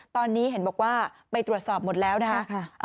ตอนนี้เห็นบอกว่าไปตรวจสอบหมดแล้วนะคะ